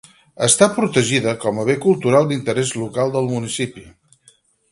Està protegida com a bé cultural d'interès local del municipi.